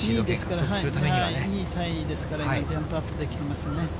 ２位タイですから、ジャンプアップできますね。